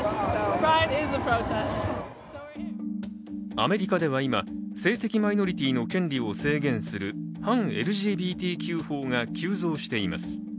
アメリカでは今、性的マイノリティの権利を制限する反ＬＧＢＴＱ法が急増しています。